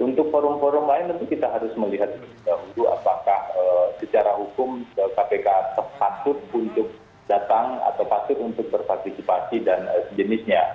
untuk forum forum lain itu kita harus melihat dulu apakah secara hukum kpk sepatut untuk datang atau sepatut untuk berfaktisipasi dan sejenisnya